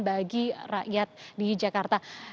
bagi rakyat di jakarta